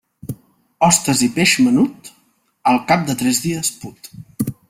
Hostes i peix menut, al cap de tres dies put.